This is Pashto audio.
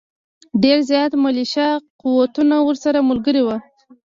ډېر زیات ملېشه قوتونه ورسره ملګري وو.